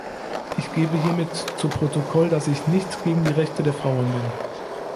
Ich gebe hiermit zu Protokoll, dass ich nicht gegen die Rechte der Frauen bin.